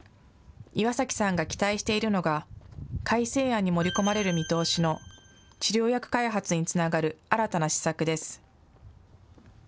岩崎さんが期待しているのが、改正案に盛り込まれる見通しの治療薬開発につながる新たな施策です。